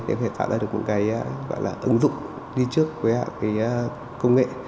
để tạo ra được một cái gọi là ứng dụng đi trước với hạng cái công nghệ